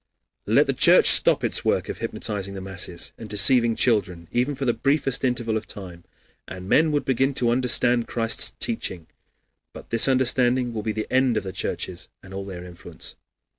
Let the Church stop its work of hypnotizing the masses, and deceiving children even for the briefest interval of time, and men would begin to understand Christ's teaching. But this understanding will be the end of the churches and all their influence.